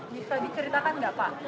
bisa diceritakan nggak pak